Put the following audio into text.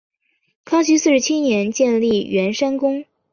康熙四十七年建立圆山宫。